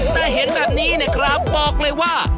แต่เห็นแบบนี้เนี่ยครับบอกเลยว่า